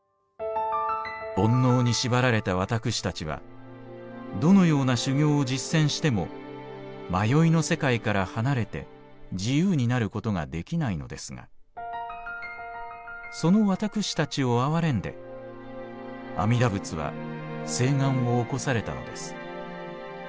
「煩悩に縛られた私たちはどのような修行を実践しても迷いの世界から離れて自由になることができないのですがその私たちを憐れんで阿弥陀仏は誓願を起こされたのです。